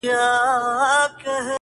ليري له بلا سومه.چي ستا سومه.